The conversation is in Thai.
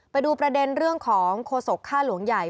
ไปดูประเด็นเรื่องของโฆษกค่าหลวงใหญ่